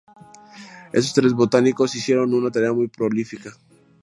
Estos tres botánicos, hicieron una tarea muy prolífica.